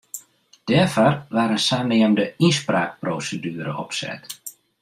Dêrfoar waard in saneamde ynspraakproseduere opset.